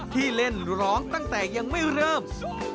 ที่เล่นร้องตั้งแต่ยังไม่เริ่ม